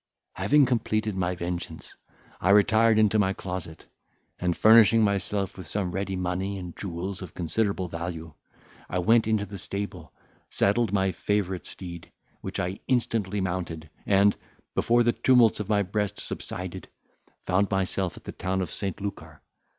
Having completed my vengeance, I retired into my closet, and, furnishing myself with some ready money and jewels of considerable value, went into the stable, saddled my favourite steed, which I instantly mounted, and, before the tumults of my breast subsided, found myself at the town of St. Lucar.